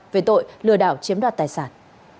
về tội lừa đảo chiếm đoạt tài sản